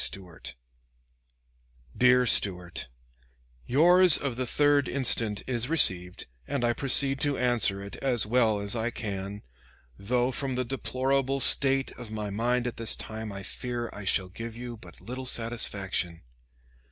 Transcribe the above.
Stuart: DEAR STUART: Yours of the 3d instant is received, and I proceed to answer it as well as I can, though from the deplorable state of my mind at this time I fear I shall give you but little satisfaction.